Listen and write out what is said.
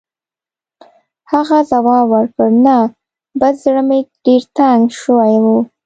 هغه ځواب ورکړ: «نه، بس زړه مې ډېر تنګ شوی و.